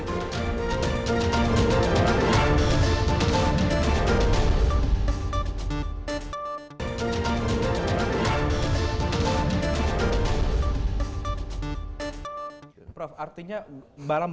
prof artinya dalam